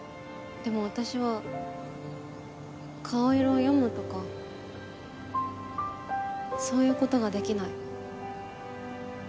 でも私は顔色を読むとかそういうことができない。